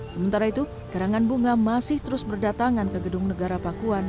sementara itu karangan bunga masih terus berdatangan ke gedung negara pakuan